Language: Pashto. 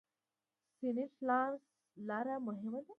سینټ لارنس لاره مهمه ده.